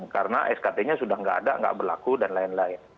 karena skt nya sudah tidak ada tidak berlaku dan lain lain